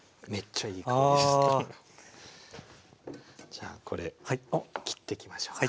じゃあこれを切っていきましょうか。